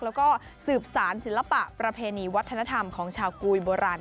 แล้วก็สืบสารศิลปะประเพณีวัฒนธรรมของชาวกุยโบราณ